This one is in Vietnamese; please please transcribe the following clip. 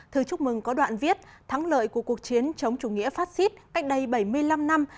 thư chúc mừng có đoạn viết thắng lợi của cuộc chiến chống chủ nghĩa phát xít cách đây bảy mươi năm năm